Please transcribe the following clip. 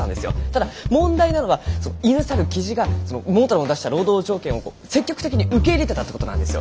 ただ問題なのは犬猿キジがその桃太郎の出した労働条件を積極的に受け入れてたって事なんですよ。